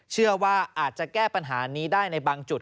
เชื่อว่าอาจจะแก้ปัญหานี้ได้ในบางจุด